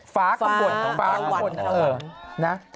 ฟ้ากระบวนฟ้ากระบวนเออนะ